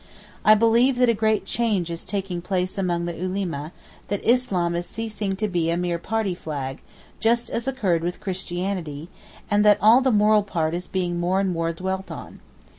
I believe that a great change is taking place among the Ulema, that Islam is ceasing to be a mere party flag, just as occurred with Christianity, and that all the moral part is being more and more dwelt on.